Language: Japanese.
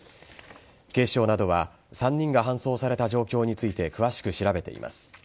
警視庁などは３人が搬送された状況について詳しく調べています。